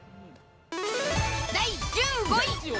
第１５位。